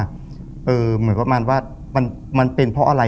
เหมือนประมาณว่ามันเป็นเพราะอะไร